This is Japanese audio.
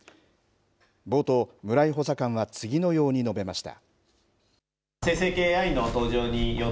冒頭、村井補佐官は次のように述べました。